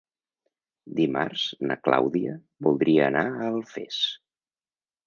Dimarts na Clàudia voldria anar a Alfés.